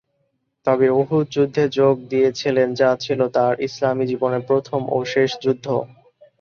তবে উহুদ যুদ্ধে যোগ দিয়েছিলেন যা ছিল তার ইসলামী জীবনের প্রথম ও শেষ যুদ্ধ।